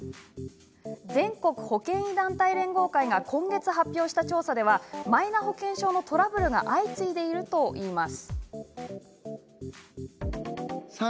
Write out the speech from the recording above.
全国保険医団体連合会が今月、発表した調査ではマイナ保険証のトラブルが相次いでいるといいます。